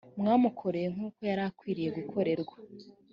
mwamukoreye nk’uko yari akwiriye gukorerwa